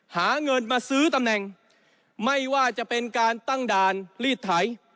หาเงินมาซื้อตำแหน่งไม่ว่าจะเป็นการตั้งด่านลีดไถ